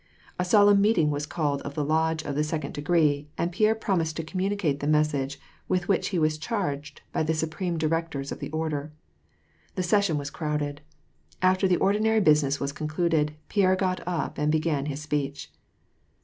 A solemn meeting was called of the Lodge of the second degree, and Pierre promised to communicate the message with which he was charged by the supreme directors of the Order. The session was crowded. After the ordinary business was concluded, Pierre got up and began his speech.